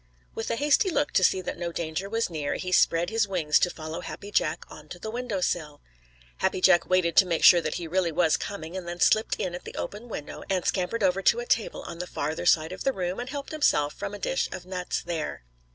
With a hasty look to see that no danger was near, he spread his wings to follow Happy Jack on to the window sill. Happy Jack waited to make sure that he really was coming and then slipped in at the open window and scampered over to a table on the farther side of the room and helped himself from a dish of nuts there.